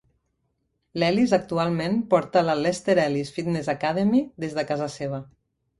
L'Ellis actualment porta la Lester Ellis Fitness Academy des de casa seva.